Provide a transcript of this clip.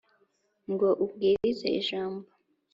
ngo ubwirize ijambo